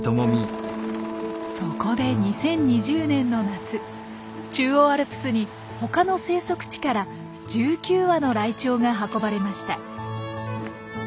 そこで２０２０年の夏中央アルプスに他の生息地から１９羽のライチョウが運ばれました。